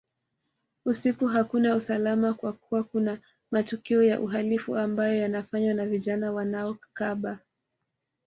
Usiku hakuna usalama kwa kuwa kuna matukio ya uhalifu ambayo yanafanywa na vijana wanaokaba